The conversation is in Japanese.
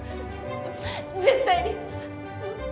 絶対に。